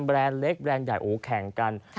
แรนด์เล็กแรนด์ใหญ่โอ้แข่งกัน